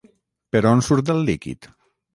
Per on surt el líquid?